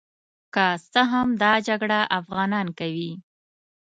که څه هم دغه جګړه افغانان کوي.